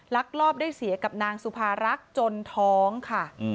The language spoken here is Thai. ลักลอบได้เสียกับนางสุภารักษ์จนท้องค่ะ